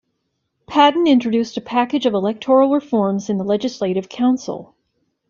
Patten introduced a package of electoral reforms in the Legislative Council.